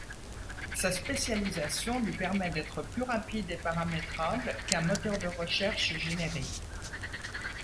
Sa spécialisation lui permet d'être plus rapide et paramétrable qu'un moteur de recherche générique.